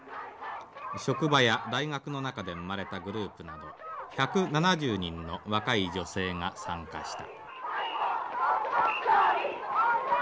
職場や大学の中で生まれたグループなど１７０人の若い女性が参加した」。